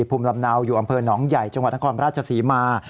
ภูมิลำเนาอยู่อำเภอหนองใหญ่จังหวัดนครราชศรีมา